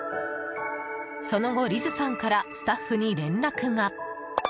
その後、リズさんからスタッフに連絡が。